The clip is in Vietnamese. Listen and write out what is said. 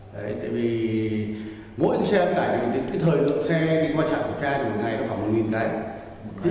đấy tại vì mỗi cái xe vận tải thì cái thời lượng xe đi qua trạm kiểm tra là một ngày khoảng một đáy